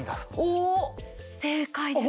おお、正解です。